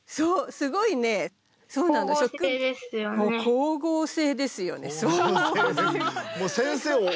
光合成ですよね。